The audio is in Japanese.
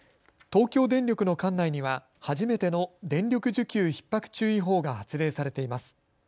東京電力の管内には初めての電力需給ひっ迫注意報が発令されています。